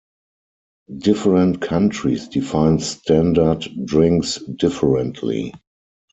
Different countries define standard drinks differently.